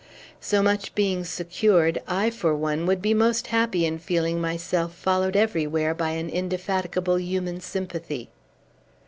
So much being secured, I, for one, would be most happy in feeling myself followed everywhere by an indefatigable human sympathy."